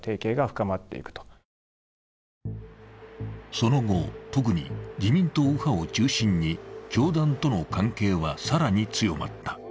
その後、特に自民党右派を中心に教団との関係は更に強まった。